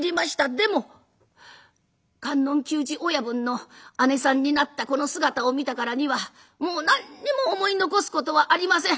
でも観音久次親分のあねさんになったこの姿を見たからにはもう何にも思い残すことはありません。